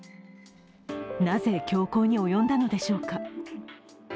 なぜ凶行に及んだのでしょうか。